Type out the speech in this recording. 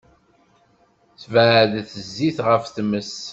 Sbeɛdet zzit ɣef tmes.